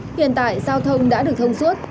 hiện tại giao thông đã được thông suốt